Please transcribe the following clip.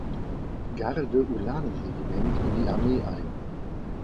Garde Ulanenregiment in die Armee ein.